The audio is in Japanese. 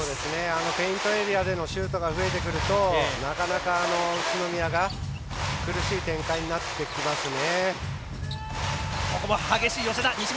ペイントエリアでのファウルが増えてくるとなかなか、宇都宮が苦しい展開になってきますね。